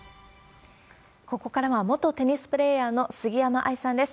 ここからは、元テニスプレーヤーの杉山愛さんです。